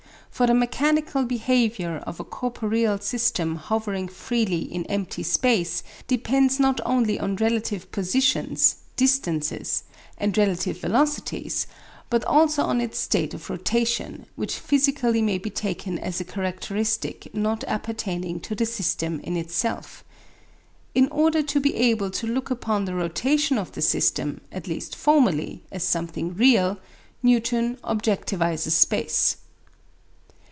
For the mechanical behaviour of a corporeal system hovering freely in empty space depends not only on relative positions (distances) and relative velocities, but also on its state of rotation, which physically may be taken as a characteristic not appertaining to the system in itself. In order to be able to look upon the rotation of the system, at least formally, as something real, Newton objectivises space.